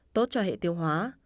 tốt cho hệ tiêu hóa